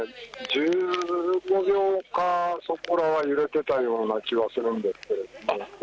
１５秒かそこらは揺れていた気はするんですけども。